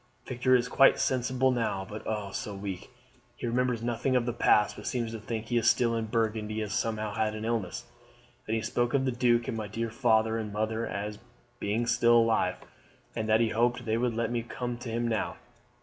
Victor is quite sensible now, but oh, so weak! He remembers nothing of the past, but seems to think he is still in Burgundy, and has somehow had an illness. Then he spoke of the duke and my dear father and mother as being still alive, and that he hoped they would let me come to him now.